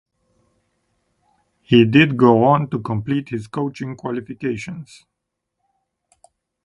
He did go on to complete his coaching qualifications.